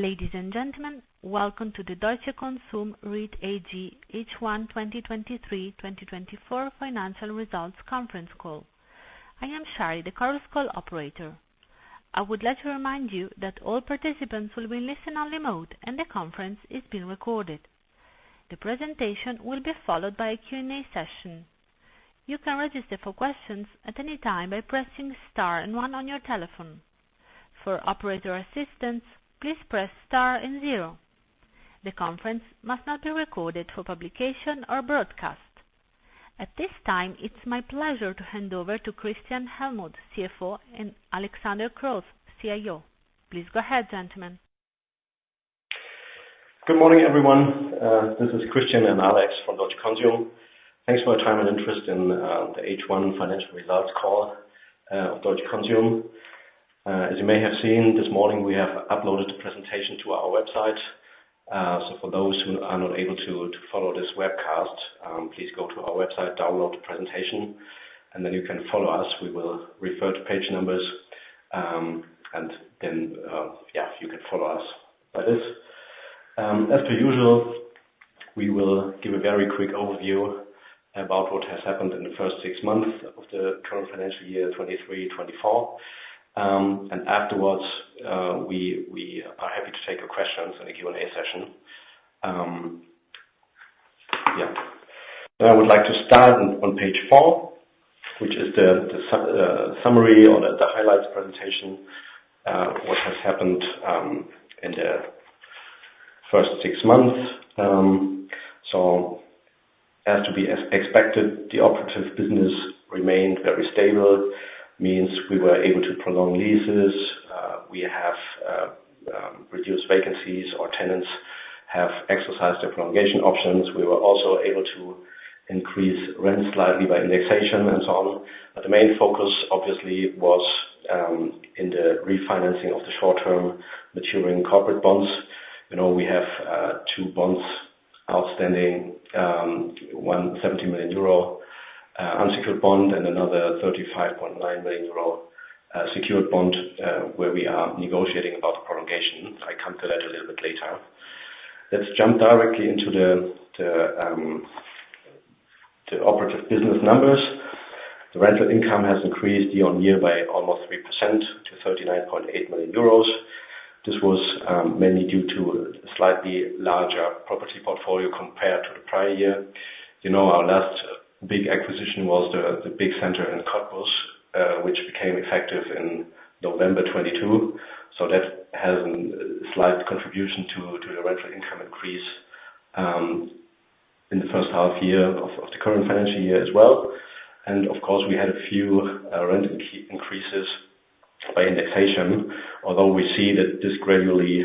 Ladies and gentlemen, welcome to the Deutsche Konsum REIT-AG H1 2023-2024 Financial Results Conference Call. I am Shari, the call's call operator. I would like to remind you that all participants will be listening on remote and the conference is being recorded. The presentation will be followed by a Q&A session. You can register for questions at any time by pressing star and 1 on your telephone. For operator assistance, please press star and 0. The conference must not be recorded for publication or broadcast. At this time, it's my pleasure to hand over to Christian Hellmuth, CFO, and Alexander Kroth, CIO. Please go ahead, gentlemen. Good morning, everyone. This is Christian and Alex from Deutsche Konsum. Thanks for your time and interest in the H1 Financial Results Call of Deutsche Konsum. As you may have seen, this morning we have uploaded the presentation to our website. So for those who are not able to follow this webcast, please go to our website, download the presentation, and then you can follow us. We will refer to page numbers, and then, yeah, you can follow us by this. As per usual, we will give a very quick overview about what has happened in the first six months of the current financial year, 2023-2024, and afterwards, we are happy to take your questions in a Q&A session. Yeah. Now I would like to start on page 4, which is the summary or the highlights presentation, what has happened, in the first six months. So as to be expected, the operative business remained very stable, means we were able to prolong leases. We have reduced vacancies, or tenants have exercised their prolongation options. We were also able to increase rents slightly by indexation and so on. But the main focus, obviously, was in the refinancing of the short-term maturing corporate bonds. You know, we have two bonds outstanding, one 70 million euro unsecured bond and another 35.9 million euro secured bond, where we are negotiating about the prolongation. I come to that a little bit later. Let's jump directly into the operative business numbers. The rental income has increased year-on-year by almost 3% to 39.8 million euros. This was mainly due to a slightly larger property portfolio compared to the prior year. You know, our last big acquisition was the big center in Cottbus, which became effective in November 2022. So that has a slight contribution to the rental income increase in the first half year of the current financial year as well. And of course, we had a few rent increases by indexation, although we see that this gradually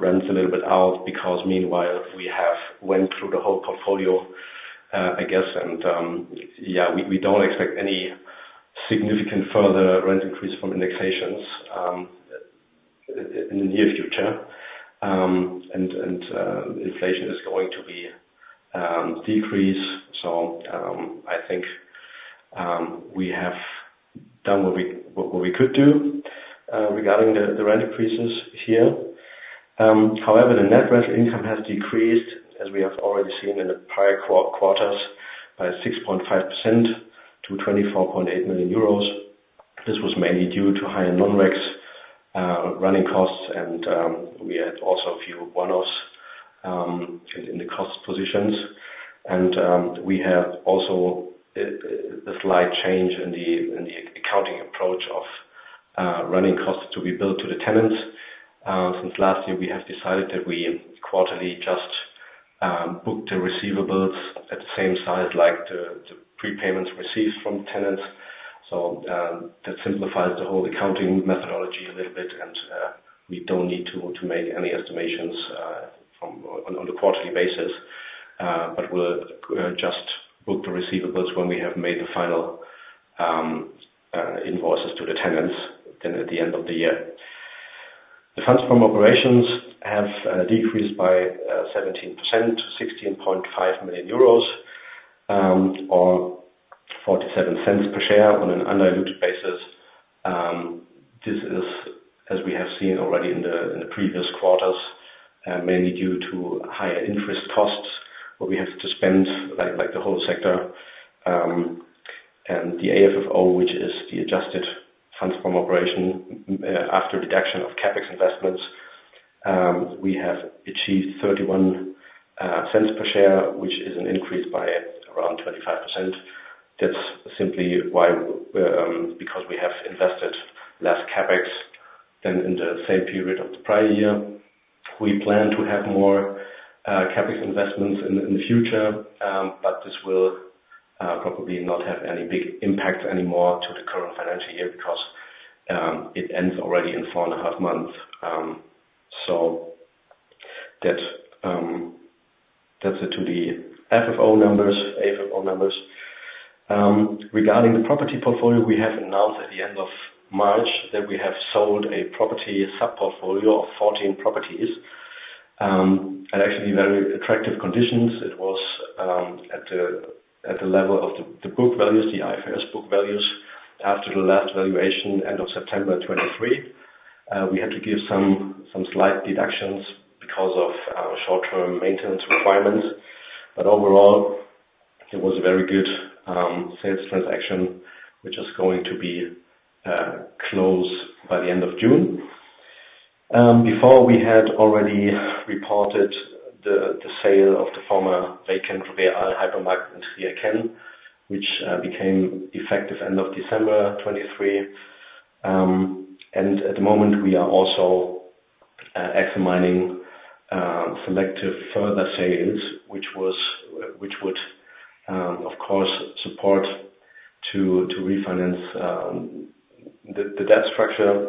runs a little bit out because meanwhile we have went through the whole portfolio, I guess, and yeah, we don't expect any significant further rent increase from indexations in the near future. And inflation is going to be decreased. So I think we have done what we could do regarding the rent increases here. However, the net rental income has decreased, as we have already seen in the prior quarters, by 6.5% to 24.8 million euros. This was mainly due to higher non-recs, running costs, and we had also a few one-offs in the cost positions. We have also is a slight change in the accounting approach of running costs to be billed to the tenants. Since last year, we have decided that we quarterly just book the receivables at the same size like the prepayments received from tenants. So, that simplifies the whole accounting methodology a little bit, and we don't need to make any estimations on a quarterly basis, but we'll just book the receivables when we have made the final invoices to the tenants then at the end of the year. The funds from operations have decreased by 17% to 16.5 million euros, or 0.47 per share on an undiluted basis. This is, as we have seen already in the previous quarters, mainly due to higher interest costs where we have to spend like the whole sector. And the AFFO, which is the adjusted funds from operation, after deduction of CapEx investments, we have achieved 0.31 per share, which is an increase by around 25%. That's simply why we, because we have invested less CapEx than in the same period of the prior year. We plan to have more CapEx investments in the future, but this will probably not have any big impacts anymore to the current financial year because it ends already in four and a half months. So that's it to the FFO numbers, AFFO numbers. Regarding the property portfolio, we have announced at the end of March that we have sold a property subportfolio of 14 properties, at actually very attractive conditions. It was at the level of the book values, the IFRS book values after the last valuation, end of September 2023. We had to give some slight deductions because of short-term maintenance requirements. But overall, it was a very good sales transaction, which is going to be closed by the end of June. Before we had already reported the sale of the former vacant Real hypermarket in Trier-Kenn, which became effective end of December 2023. And at the moment, we are also examining selective further sales, which would, of course, support to refinance the debt structure.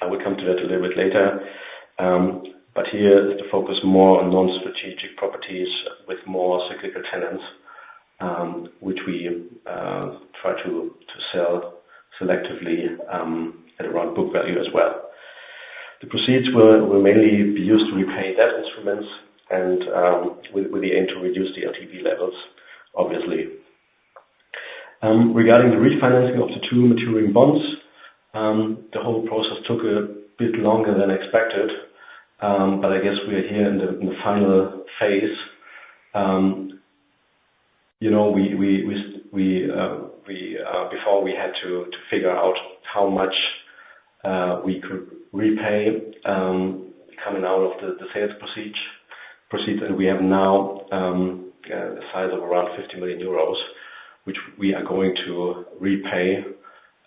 I will come to that a little bit later. But here is the focus more on non-strategic properties with more cyclical tenants, which we try to sell selectively, at around book value as well. The proceeds will mainly be used to repay debt instruments and with the aim to reduce the LTV levels, obviously. Regarding the refinancing of the two maturing bonds, the whole process took a bit longer than expected, but I guess we are here in the final phase. You know, before we had to figure out how much we could repay, coming out of the sales proceeds, and we have now a size of around 50 million euros, which we are going to repay,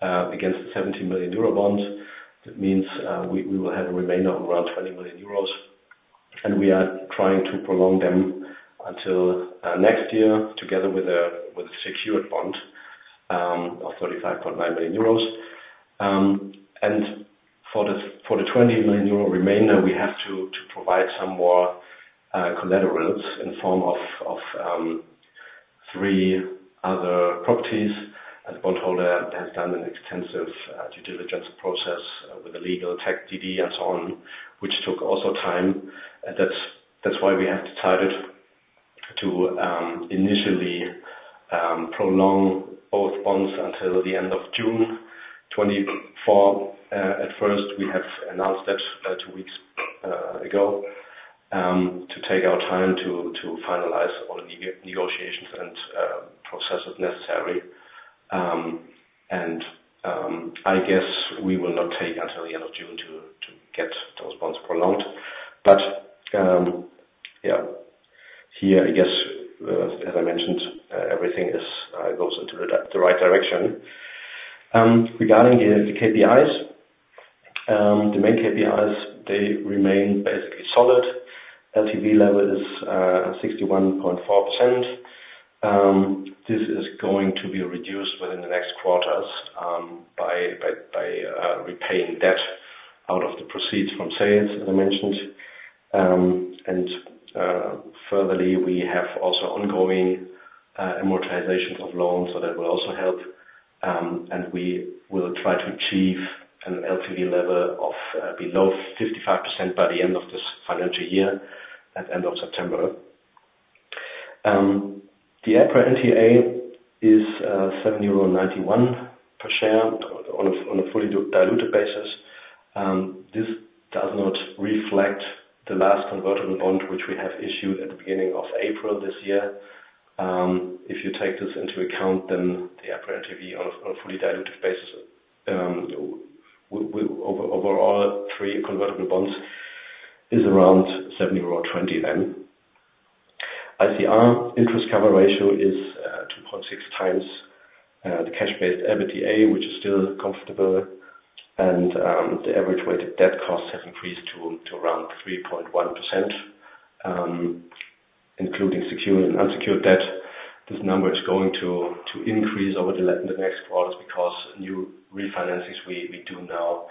against the 70 million euro bonds. That means, we will have a remainder of around 20 million euros, and we are trying to prolong them until next year together with a secured bond of 35.9 million euros. For the 20 million euro remainder, we have to provide some more collaterals in form of three other properties. The bondholder has done an extensive due diligence process, with the legal, technical DD and so on, which took also time. That's why we have decided to initially prolong both bonds until the end of June 2024. At first, we have announced that two weeks ago, to take our time to finalize all negotiations and processes necessary. I guess we will not take until the end of June to get those bonds prolonged. But, yeah, here, I guess, as I mentioned, everything is, goes into the right direction. Regarding the KPIs, the main KPIs, they remain basically solid. LTV level is 61.4%. This is going to be reduced within the next quarters, by repaying debt out of the proceeds from sales, as I mentioned. And, furtherly, we have also ongoing amortizations of loans, so that will also help. And we will try to achieve an LTV level of below 55% by the end of this financial year, at the end of September. The EPRA NTA is 7.91 euro per share on a fully diluted basis. This does not reflect the last convertible bond, which we have issued at the beginning of April this year. If you take this into account, then the EPRA NTA on a fully diluted basis, we overall, 3 convertible bonds is around 7.20 then. ICR interest cover ratio is 2.6 times the cash-based EBITDA, which is still comfortable. And the average weighted debt costs have increased to around 3.1%, including secured and unsecured debt. This number is going to increase over the lean in the next quarters because new refinances we do now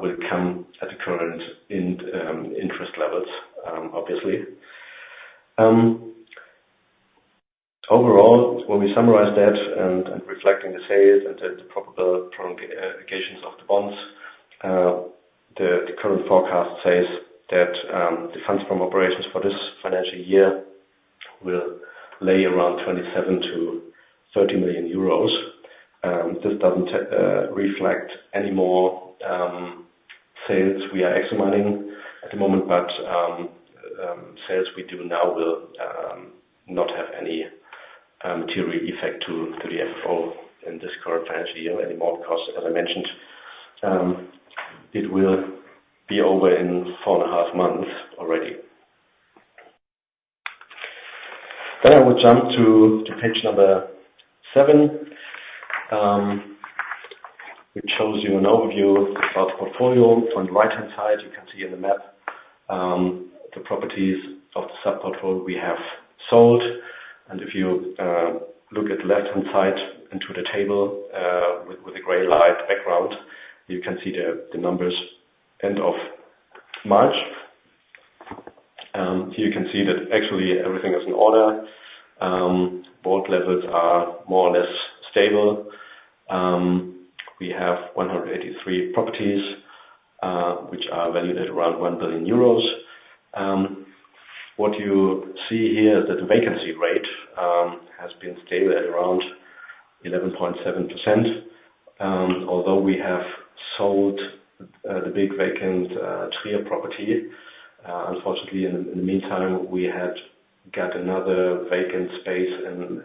will come at the current interest levels, obviously. Overall, when we summarize that and reflecting the sales and the probable prolongations of the bonds, the current forecast says that the funds from operations for this financial year will lay around 27 million-30 million euros. This doesn't reflect anymore, sales we are examining at the moment, but sales we do now will not have any material effect to the FFO in this current financial year anymore because, as I mentioned, it will be over in four and a half months already. Then I will jump to page 7, which shows you an overview of our portfolio. On the right-hand side, you can see in the map the properties of the subportfolio we have sold. And if you look at the left-hand side into the table with a gray light background, you can see the numbers end of March. Here you can see that actually everything is in order. WALT levels are more or less stable. We have 183 properties, which are valued at around 1 billion euros. What you see here is that the vacancy rate has been stable at around 11.7%, although we have sold the big vacant Trier property. Unfortunately, in the meantime, we had got another vacant space in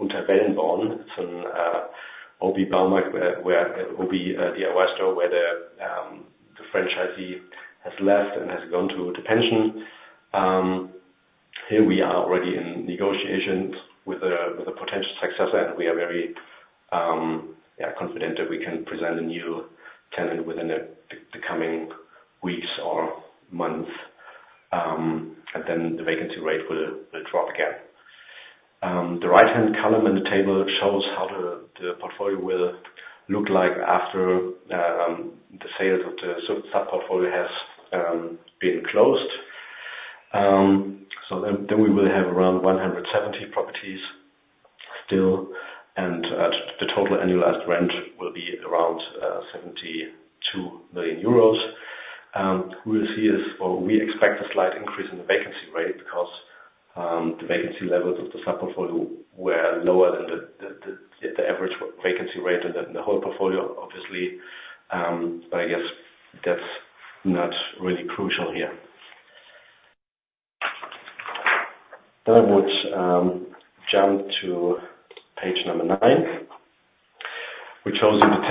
Unterwellenborn. It's an OBI Baumarkt where OBI DIY store where the franchisee has left and has gone to pension. Here we are already in negotiations with a potential successor, and we are very confident that we can present a new tenant within the coming weeks or months. And then the vacancy rate will drop again. The right-hand column in the table shows how the portfolio will look like after the sales of the subportfolio has been closed. So then we will have around 170 properties still, and the total annualized rent will be around 72 million euros. What we'll see is, well, we expect a slight increase in the vacancy rate because the vacancy levels of the subportfolio were lower than the average vacancy rate in the whole portfolio, obviously.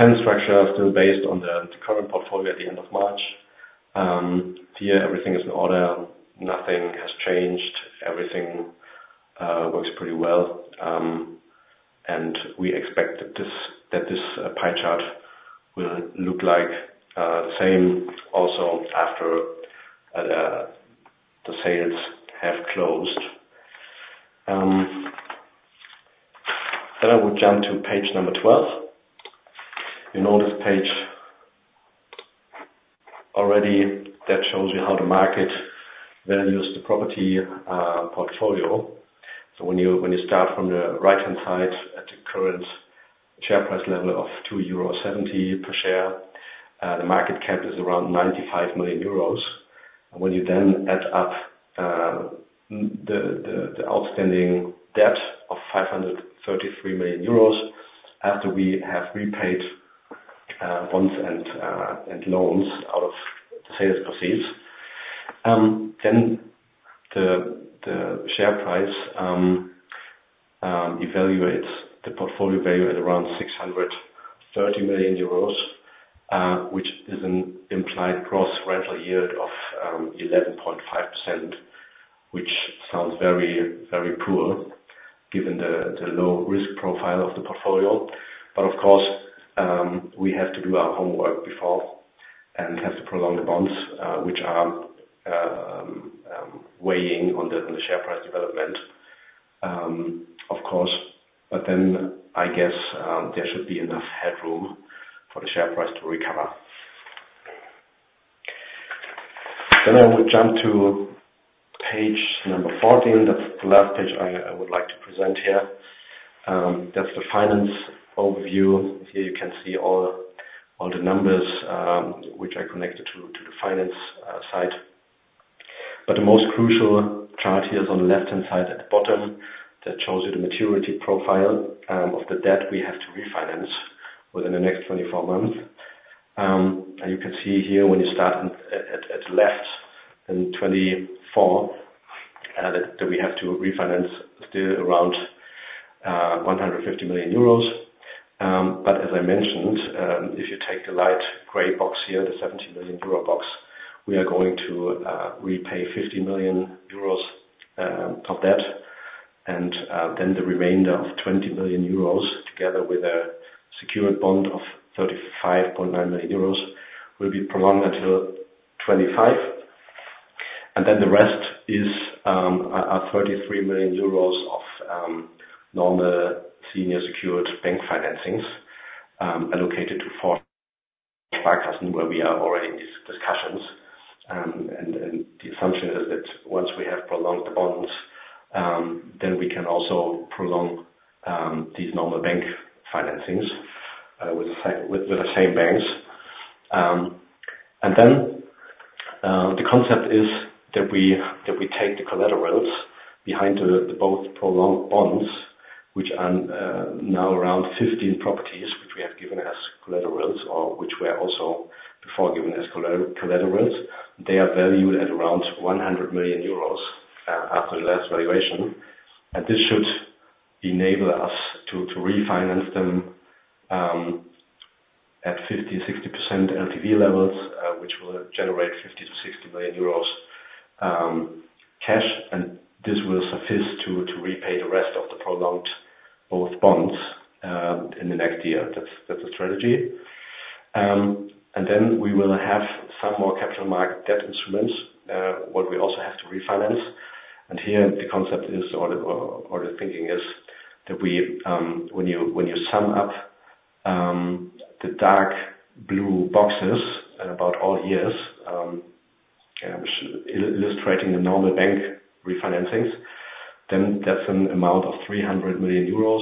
But I guess that's not really crucial here. Then I would jump to page number 9, which shows you the tenant structure still based on the current portfolio at the end of March. Here, everything is in order. Nothing has changed. Everything works pretty well. And we expect that this pie chart will look like the same also after the sales have closed. Then I would jump to page number 12. You notice, already, that shows you how the market values the property portfolio. So when you start from the right-hand side at the current share price level of 2.70 euro per share, the market cap is around 95 million euros. And when you then add up the outstanding debt of 533 million euros after we have repaid bonds and loans out of the sales proceeds, then the share price evaluates the portfolio value at around 630 million euros, which is an implied gross rental yield of 11.5%, which sounds very, very poor given the low risk profile of the portfolio. But of course, we have to do our homework before and have to prolong the bonds, which are weighing on the share price development, of course. But then I guess, there should be enough headroom for the share price to recover. Then I would jump to page number 14. That's the last page I would like to present here. That's the finance overview. Here, you can see all the numbers, which are connected to the finance side. But the most crucial chart here is on the left-hand side at the bottom. That shows you the maturity profile of the debt we have to refinance within the next 24 months. And you can see here when you start in at the left in 2024, that we have to refinance still around 150 million euros. But as I mentioned, if you take the light gray box here, the 70 million euro box, we are going to repay 50 million euros of debt. And then the remainder of 20 million euros together with a secured bond of 35.9 million euros will be prolonged until 2025. And then the rest is 33 million euros of normal senior secured bank financings allocated to Sparkasse, where we are already in these discussions. And the assumption is that once we have prolonged the bonds, then we can also prolong these normal bank financings with the same banks. And then the concept is that we take the collaterals behind the both prolonged bonds, which are now around 15 properties, which we have given as collaterals or which were also before given as collateral. They are valued at around 100 million euros, after the last valuation. And this should enable us to refinance them at 50%-60% LTV levels, which will generate 50-60 million euros cash. And this will suffice to repay the rest of the prolonged both bonds in the next year. That's the strategy. And then we will have some more capital market debt instruments, what we also have to refinance. And here, the concept is, or the thinking is that we, when you sum up, the dark blue boxes at about all years, yeah, which illustrating the normal bank refinancings, then that's an amount of 300 million euros,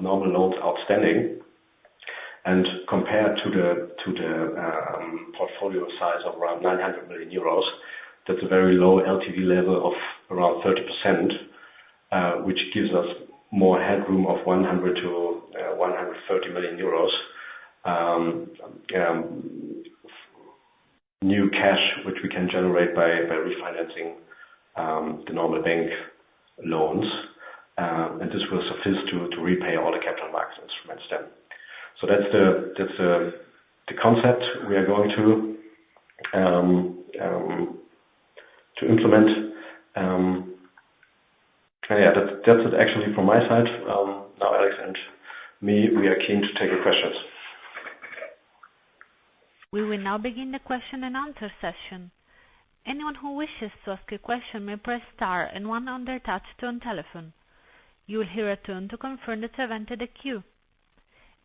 normal loans outstanding. And compared to the portfolio size of around 900 million euros, that's a very low LTV level of around 30%, which gives us more headroom of 100-130 million euros, new cash which we can generate by refinancing, the normal bank loans. And this will suffice to repay all the capital market instruments then. So that's the concept we are going to implement. Yeah, that's it actually from my side. Now, Alex and me, we are keen to take your questions. We will now begin the question and answer session. Anyone who wishes to ask a question may press star and one on your touch-tone telephone. You will hear a tone to confirm that you have entered the queue.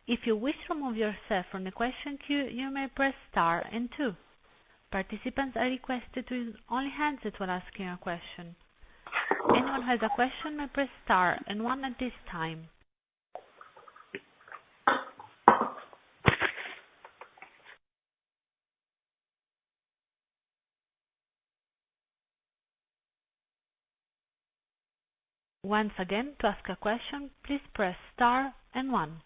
If you wish to remove yourself from the question queue, you may press star and two. Participants are requested to use only handsets while asking a question. Anyone who has a question may press star and one at this time. Once again, to ask a question, please press star and one.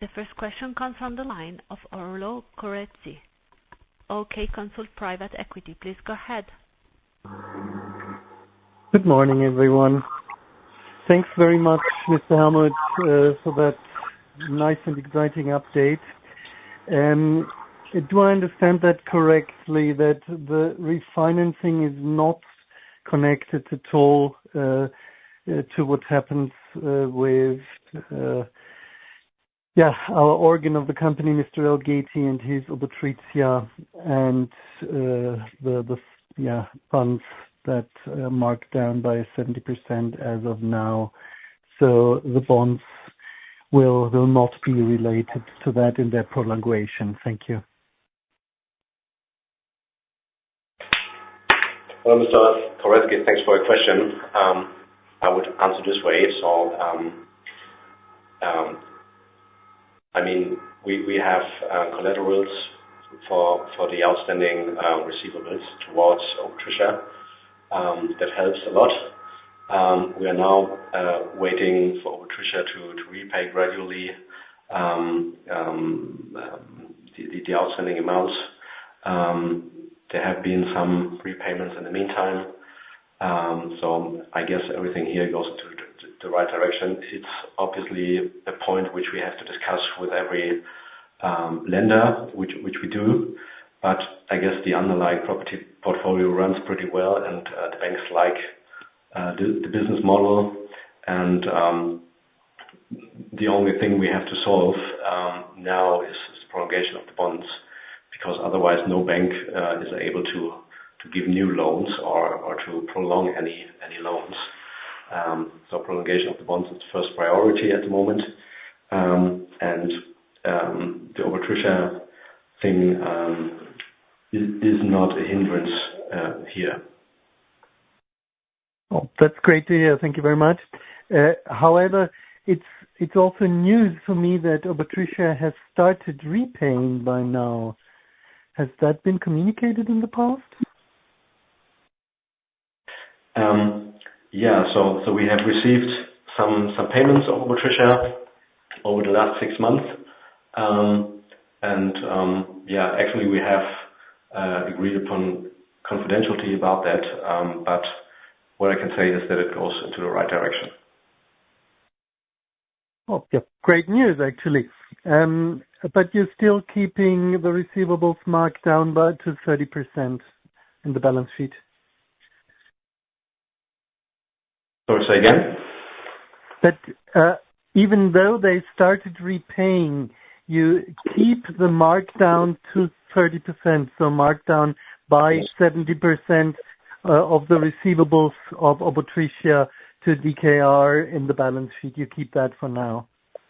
The first question comes from the line of Oliver Krotta O.K. Consult. Please go ahead. Good morning, everyone. Thanks very much, Mr. Hellmuth, for that nice and exciting update. Do I understand that correctly that the refinancing is not connected at all to what happens with yeah our owner of the company Mr. Elgeti and his Obotritia and the funds that marked down by 70% as of now? So the bonds will not be related to that in their prolongation. Thank you. Hello, Mr. Krothi. Thanks for your question. I would answer this way. So, I mean, we have collaterals for the outstanding receivables towards Obotritia. That helps a lot. We are now waiting for Obotritia to repay gradually the outstanding amounts. There have been some repayments in the meantime. So I guess everything here goes into the right direction. It's obviously a point which we have to discuss with every lender which we do. But I guess the underlying property portfolio runs pretty well, and the banks like the business model. The only thing we have to solve now is the prolongation of the bonds because otherwise no bank is able to give new loans or to prolong any loans. Prolongation of the bonds is the first priority at the moment. The Obotritia thing is not a hindrance here. Oh, that's great to hear. Thank you very much. However, it's also news for me that Obotritia has started repaying by now. Has that been communicated in the past? Yeah. We have received some payments of Obotritia over the last six months. Yeah, actually, we have agreed upon confidentiality about that. But what I can say is that it goes into the right direction. Oh, yeah. Great news, actually. But you're still keeping the receivables marked down by up to 30% in the balance sheet. Sorry. Say again? That, even though they started repaying, you keep the markdown to 30%. So markdown by 70%, of the receivables of Obotritia to DKR in the balance sheet. You keep that for now.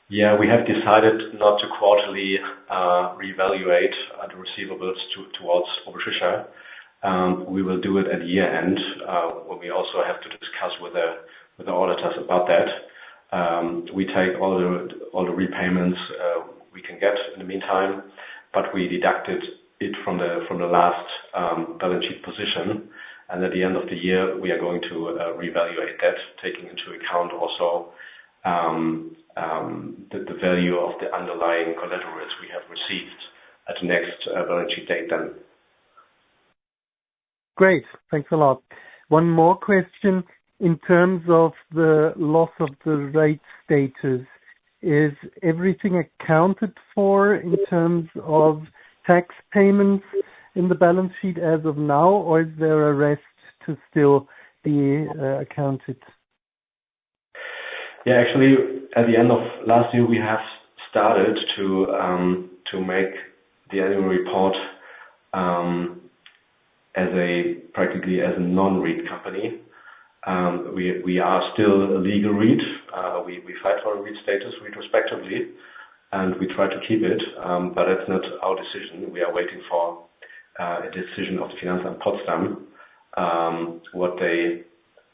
Yeah. We have decided not to quarterly reevaluate the receivables towards Obotritia. We will do it at year-end, when we also have to discuss with the auditors about that. We take all the repayments we can get in the meantime, but we deducted it from the last balance sheet position. And at the end of the year, we are going to reevaluate that, taking into account also the value of the underlying collaterals we have received at the next balance sheet date then. Great. Thanks a lot. One more question. In terms of the loss of the REIT status, is everything accounted for in terms of tax payments in the balance sheet as of now, or is there a rest to still be accounted? Yeah. Actually, at the end of last year, we have started to make the annual report as practically as a non-REIT company. We are still a legal REIT. We fight for a REIT status retrospectively, and we try to keep it. But that's not our decision. We are waiting for a decision of the Finanzamt Potsdam, what they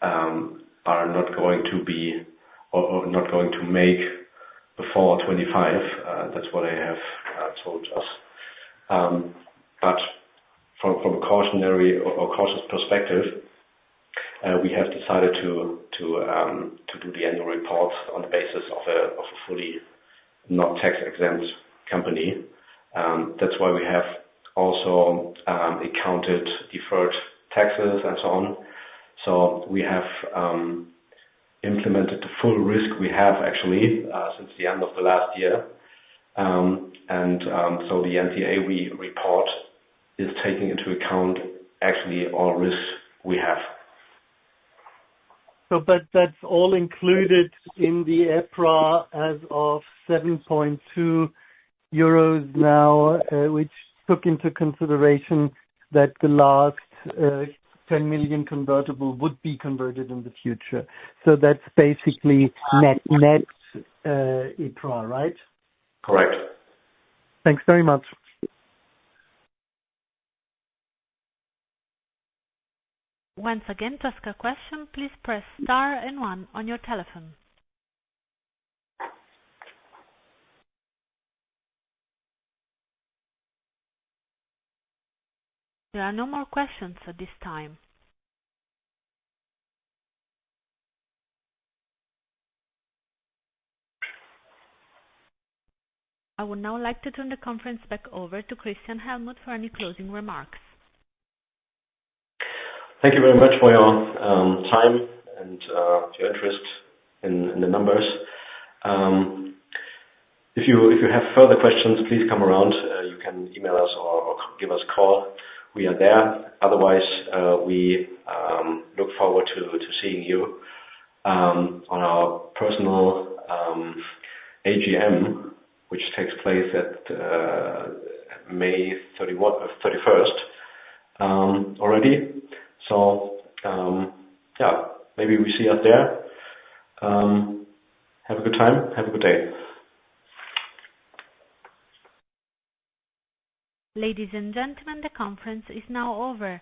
are not going to be or not going to make before 2025. That's what they have told us. But from a cautionary or cautious perspective, we have decided to do the annual reports on the basis of a fully not tax-exempt company. That's why we have also accounted deferred taxes and so on. So we have implemented the full risk we have actually since the end of the last year. So the NTA we report is taking into account actually all risk we have. So but that's all included in the EPRA as of 7.2 euros now, which took into consideration that the last 10 million convertible would be converted in the future. So that's basically net, net, EPRA, right? Correct. Thanks very much. Once again, to ask a question, please press star and one on your telephone. There are no more questions at this time. I would now like to turn the conference back over to Christian Hellmuth for any closing remarks. Thank you very much for your time and your interest in the numbers. If you if you have further questions, please come around. You can email us or give us a call. We are there. Otherwise, we look forward to seeing you on our annual AGM, which takes place at May 31st already. So, yeah, maybe we see you there. Have a good time. Have a good day. Ladies and gentlemen, the conference is now over.